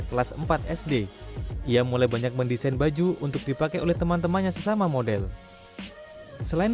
kelas empat sd ia mulai banyak mendesain baju untuk dipakai oleh teman temannya sesama model selain